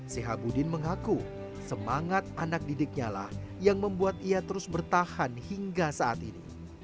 sehabudin mengaku semangat anak didiknya lah yang membuat ia terus bertahan hingga saat ini